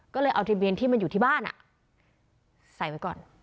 ก็เลยเอาทะเบียนที่มันอยู่ที่บ้านใส่ไว้ก่อน